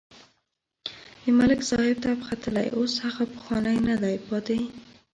د ملک صاحب تپ ختلی اوس هغه پخوانی نه دی پاتې.